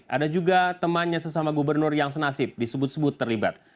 ada juga temannya sesama gubernur yang senasib disebut sebut terlibat